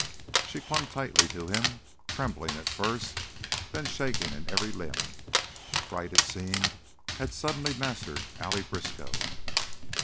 She clung tightly to him, trembling at first, then shaking in every limb. Fright, it seemed, had suddenly mastered Allie Briskow.